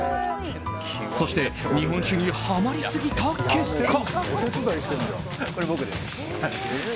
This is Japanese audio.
そして、日本酒にハマりすぎた結果。